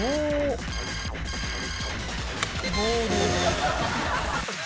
ボール。